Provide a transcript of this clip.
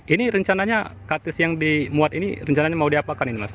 ini rencananya kartis yang dimuat ini rencananya mau diapakan ini mas